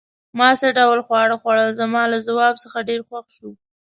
ما څه ډول خواړه خوړل؟ زما له ځواب څخه ډېر خوښ شو.